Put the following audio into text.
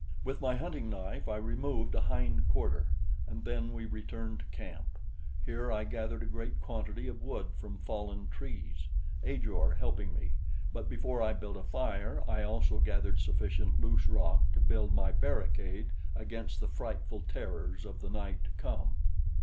With my hunting knife I removed a hind quarter, and then we returned to camp. Here I gathered a great quantity of wood from fallen trees, Ajor helping me; but before I built a fire, I also gathered sufficient loose rock to build my barricade against the frightful terrors of the night to come.